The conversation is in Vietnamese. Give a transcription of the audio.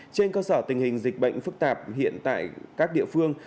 trên cơ sở tình hình dịch bệnh phức tạp hiện tại các địa phương